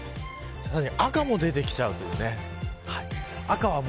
さらに赤も出てきちゃうという。